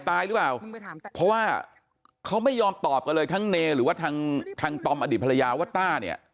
ตายหรือเปล่าเพราะว่าเขาไม่ยอมตอบกันเลยทั้งเนหรือว่าทางทางตอมอดีตภรรยาว่าต้าเนี่ย